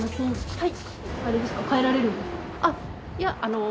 はい。